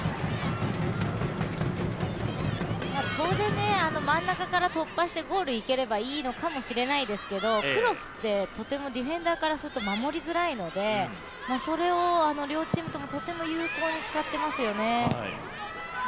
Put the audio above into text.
当然、真ん中から突破してゴールにいければいいんですけど、クロスってとてもディフェンダーからすると守りづらいのでそれを両チームともとても有効に使ってますよね。